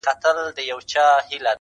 نن له هغې وني ږغونه د مستۍ نه راځي!